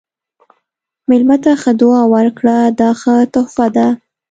مېلمه ته ښه دعا ورکړه، دا ښه تحفه ده.